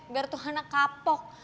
biar tuh anak kapok